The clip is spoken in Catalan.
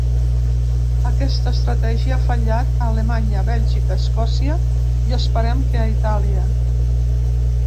Aquesta estratègia ha fallat a Alemanya, Bèlgica, Escòcia i esperem que a Itàlia.